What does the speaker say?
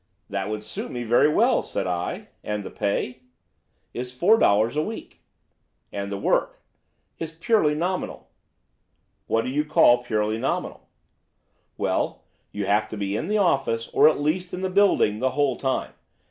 "'That would suit me very well,' said I. 'And the pay?' "'Is £ 4 a week.' "'And the work?' "'Is purely nominal.' "'What do you call purely nominal?' "'Well, you have to be in the office, or at least in the building, the whole time.